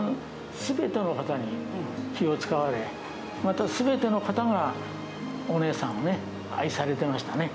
すべての方に気を遣われ、またすべての方がお姉さんを愛されてましたね。